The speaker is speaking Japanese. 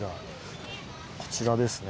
こちらですね。